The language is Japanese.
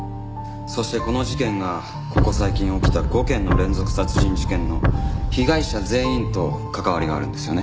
そしてこの事件がここ最近起きた５件の連続殺人事件の被害者全員と関わりがあるんですよね。